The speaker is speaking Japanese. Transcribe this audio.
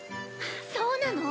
そうなの？